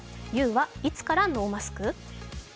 「ＹＯＵはいつからノーマスク？」